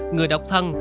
người độc thân